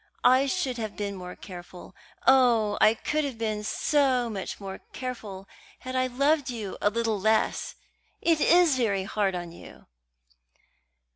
I should have been more careful oh, I could have been so much more careful had I loved you a little less! It is very hard on you."